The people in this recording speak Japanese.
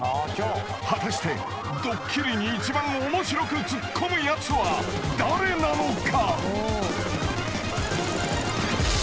［果たしてドッキリに一番面白くツッコむやつは誰なのか？］